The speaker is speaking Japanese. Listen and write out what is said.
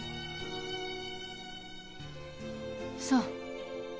そう。